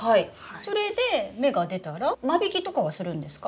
それで芽が出たら間引きとかはするんですか？